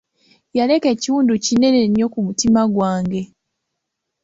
Yaleka ekiwundu kinene nnyo ku mutima gwange.